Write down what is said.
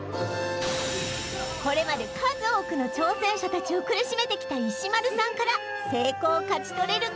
これまで数多くの挑戦者達を苦しめてきた石丸さんから成功を勝ち取れるか？